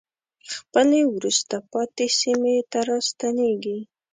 خپلې وروسته پاتې سیمې ته راستنېږي.